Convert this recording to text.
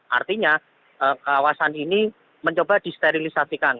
artinya kawasan ini mencoba disterilisasikan